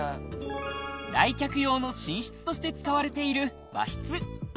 来客用の寝室として使われている和室。